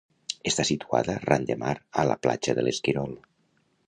Està situada ran de mar a la platja de l'Esquirol.